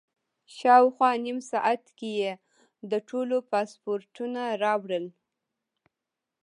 شاوخوا نیم ساعت کې یې د ټولو پاسپورټونه راوړل.